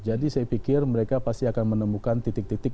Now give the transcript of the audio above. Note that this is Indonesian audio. jadi saya pikir mereka pasti akan menemukan titik titik